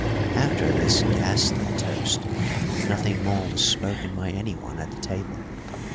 After this ghastly toast nothing more was spoken by anyone at the table.